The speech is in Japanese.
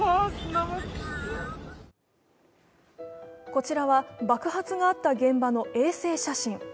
こちらは、爆発があった現場の衛星写真。